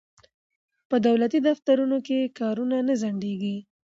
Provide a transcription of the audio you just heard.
په دولتي دفترونو کې کارونه نه ځنډیږي.